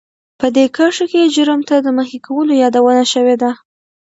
په دې کرښو کې جرم ته د مخې کولو يادونه شوې ده.